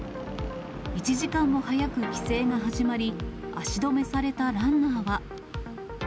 １時間も早く規制が始まり、足止めされたランナーは。